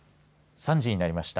３時になりました。